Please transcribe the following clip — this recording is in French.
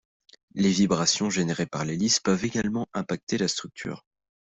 Les vibrations générées par l'hélice peuvent également impacter la structure.